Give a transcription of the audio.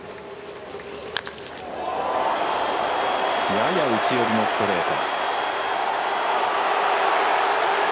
やや内寄りのストレート。